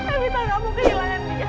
epika enggak mau kehilangan dia